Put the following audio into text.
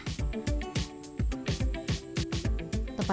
tempat ini merupakan stasiun riset bekantan